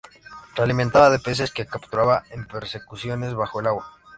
Se alimentaba de peces que capturaba en persecuciones bajo el agua.